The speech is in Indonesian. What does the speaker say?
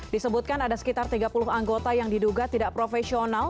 disebutkan ada sekitar tiga puluh anggota yang diduga tidak profesional